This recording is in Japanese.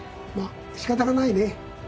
まっしかたがないね。